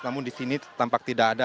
namun disini tampak tidak ada